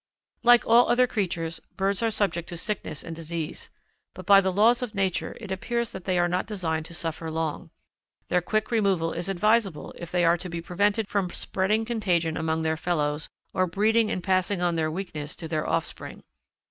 Like all other creatures, birds are subject to sickness and disease, but by the laws of nature it appears that they are not designed to suffer long. Their quick removal is advisable if they are to be prevented from spreading contagion among their fellows, or breeding and passing on their weakness to their offspring.